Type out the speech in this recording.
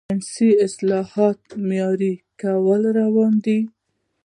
د ساینسي اصطلاحاتو معیاري کول روان دي.